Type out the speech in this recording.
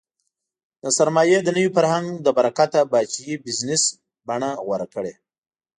د سرمایې د نوي فرهنګ له برکته پاچاهۍ بزنس بڼه غوره کړې.